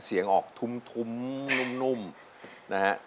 เสียงออกทุ่มนุ่มนะฮะ